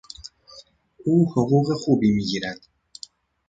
او حقوق خوبی میگیرد.